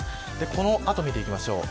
この後見ていきましょう。